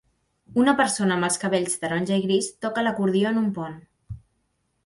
Una persona amb els cabells taronja i gris toca l'acordió en un pont.